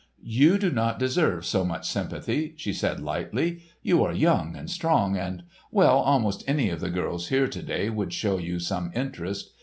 "You do not deserve so much sympathy," she said lightly. "You are young and strong and—well, almost any of the girls here to day would show you some interest.